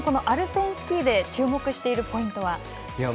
アルペンスキーで注目しているポイントは？